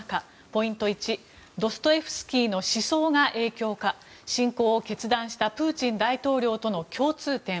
ポイント１、ドストエフスキーの思想の影響か侵攻を決断したプーチン大統領との共通点。